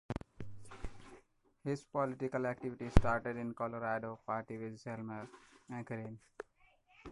His political activity started in the Colorado Party with Zelmar Michelini.